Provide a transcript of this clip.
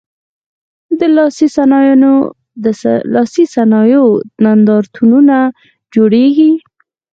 د لاسي صنایعو نندارتونونه جوړیږي؟